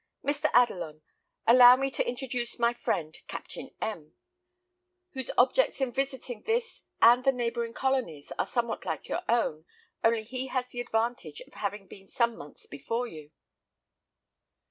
Mr. Adelon, allow me to introduce my friend Captain M , whose objects in visiting this and the neighbouring colonies are somewhat like to your own, only he has the advantage of having been some months before you."